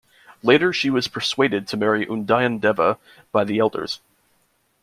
Later she was persuaded to marry Udayanadeva by the elders.